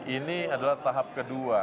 ini adalah tahap kedua